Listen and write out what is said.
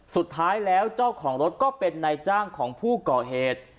สุดท้ายแล้วเจ้าของรถก็เป็นนายจ้างของผู้ก่อเหตุ